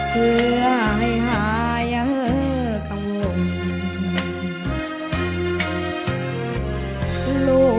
เพื่อให้หายกังวล